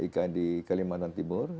ikn di kalimantan timur